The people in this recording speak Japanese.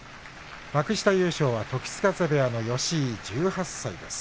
幕下優勝は時津風部屋の吉井です。